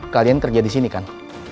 kalian kerja di sini kan